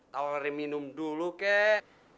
tawarin minum dulu kek